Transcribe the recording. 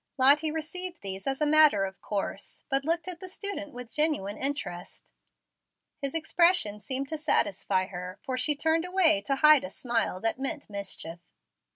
Lottie received these as a matter of course, but looked at the student with genuine interest. His expression seemed to satisfy her, for she turned away to hide a smile that meant mischief.